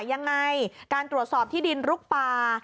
ยังไงการตรวจสอบที่ดินลุกป่า